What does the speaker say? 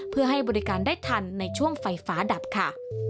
เพื่อให้บริการได้ทันในช่วงไฟฟ้าดับค่ะ